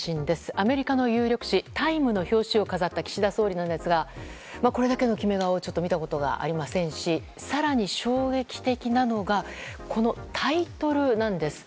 アメリカの有力誌「タイム」の表紙を飾った岸田総理なんですがこれだけの決め顔ちょっと見たことがありませんし更に衝撃的なのがこのタイトルなんです。